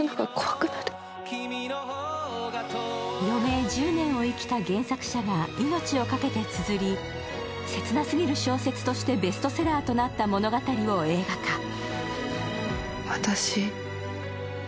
余命１０年を生きた原作者が命をかけてつづり、切なすぎる小説としてベストセラーとなった物語を映画化。